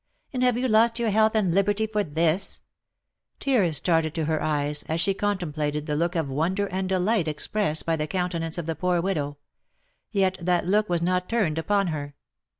" And have you lost your health and liberty for this V Tears started to her eyes, as she contemplated the look of wonder and delight expressed by the countenance of the poor widow ; yet that look was not turned upon her.